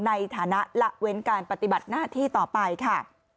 ในฐานะละเว้นการปฏิบัติหน้าที่ต่อไปค่ะ